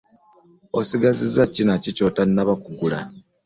Osigaziza ki naki byoyanaba kugula.